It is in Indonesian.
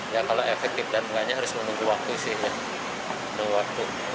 ya kalau efektif dan enggaknya harus menunggu waktu sih